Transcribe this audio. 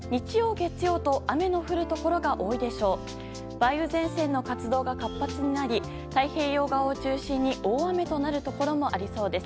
梅雨前線の活動が活発になり太平洋側を中心に大雨となるところもありそうです。